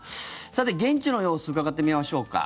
さて、現地の様子伺ってみましょうか。